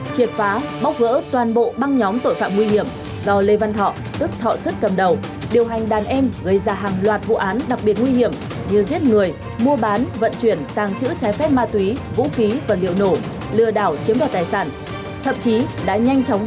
chuyên án triệt phá băng nhóm đánh bạc qua internet hơn hai tỷ đồng